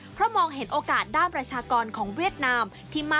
เพราะมองเห็นโอกาสด้านประชากรของเวียดนาม